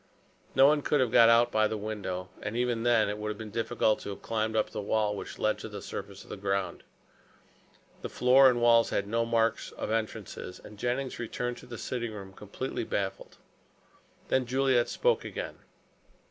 No one could have got out by the window, and even then, it would have been difficult to have climbed up the well which led to the surface of the ground. The floor and walls had no marks of entrances, and Jennings returned to the sitting room completely baffled. Then Juliet spoke again.